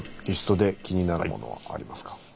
リストで気になるものはありますか？